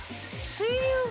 水流が。